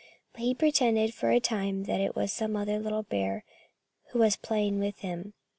But he pretended for a time that it was some other little bear who was playing with him.